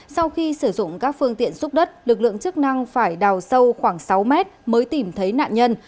sau khi sử dụng các phương tiện xúc đất lực lượng chức năng phải đào sâu khoảng sáu mét mới tìm thấy nạn nhân